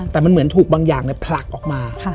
แต่มันเหมือนถูกบางอย่างผลักออกมา